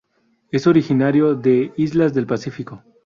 Es originario de islas del Pacífico.